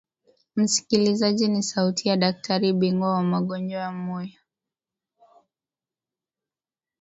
msikilizaji ni sauti ya daktari bingwa wa magonjwa ya moyo